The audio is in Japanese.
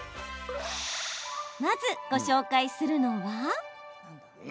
まず、ご紹介するのは。